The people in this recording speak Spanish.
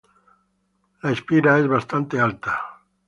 La espira es bastante alta.